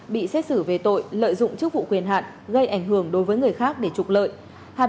bị xét xử về tội danh lợi dụng sự ảnh hưởng đối với người có chức vụ quyền hạn để trục lợi